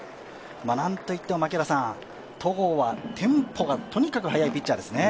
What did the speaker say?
何といっても、戸郷はテンポがとにかく速いピッチャーですね。